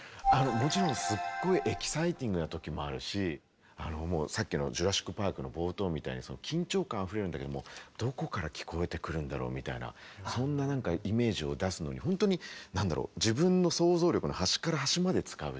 もちろんすっごいエキサイティングなときもあるしもうさっきの「ジュラシック・パーク」の冒頭みたいに緊張感あふれるんだけどもどこから聞こえてくるんだろうみたいなそんななんかイメージを出すのに本当になんだろう